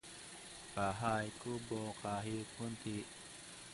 Also, it may be ordered in conjunction with a bilirubin.